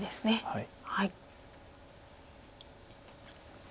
はい。